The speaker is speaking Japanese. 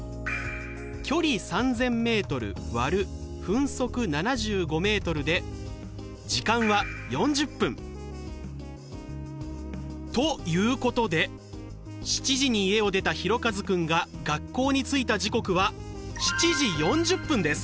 距離３０００ｍ割る分速７５ｍで時間は４０分。ということで７時に家を出たひろかずくんが学校に着いた時刻は７時４０分です。